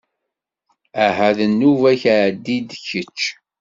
Aha d nnuba-k ɛeddi-d kečč.